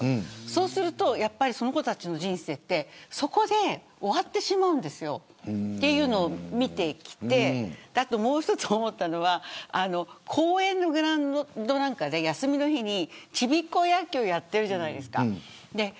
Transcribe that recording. そうするとその子たちの人生ってそこで終わってしまうんですよ。というのを見てきてもう１つ思ったのは公園のグラウンドなんかで休みの日に、ちびっこ野球をやってるじゃないですか。